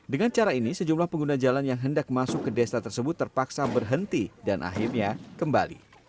dengan cara ini sejumlah pengguna jalan yang hendak masuk ke desa tersebut terpaksa berhenti dan akhirnya kembali